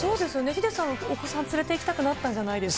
ヒデさん、お子さん連れていきたくなったんじゃないですか。